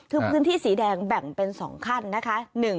คือพื้นที่สีแดงแบ่งเป็น๒ขั้นนะคะ